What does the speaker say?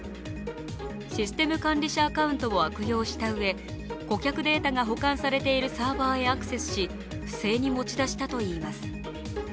システム管理者アカウントを悪用したうえ顧客データが保管されているサーバーへアクセスし、不正に持ち出したといいます。